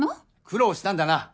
苦労したんだな。